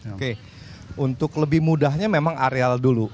oke untuk lebih mudahnya memang areal dulu